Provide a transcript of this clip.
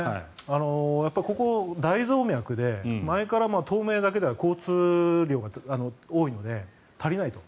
ここ大動脈で前から東名だけでは交通量が多いので足りないと。